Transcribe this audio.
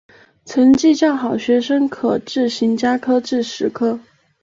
成绩较好学生可自行加科至十科。